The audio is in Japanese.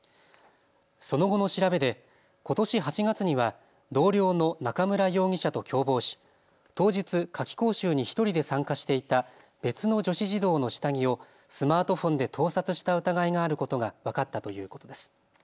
その後の調べでことし８月には同僚の中村容疑者と共謀し当日、夏期講習に１人で参加していた別の女子児童の下着をスマートフォンで盗撮した疑いがあることが分かったということです。